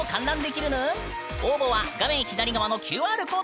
応募は画面左側のＱＲコードからアクセス！